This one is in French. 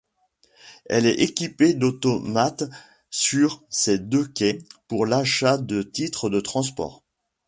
Elle est équipée d'automates sur ses deux quais pour l'achat de titres de transport.